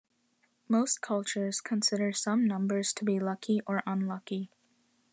Most cultures consider some numbers to be lucky or unlucky.